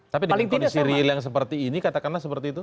tapi dengan kondisi real yang seperti ini katakanlah seperti itu